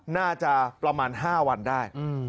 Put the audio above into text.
น่าจะประมาณ๕วันได้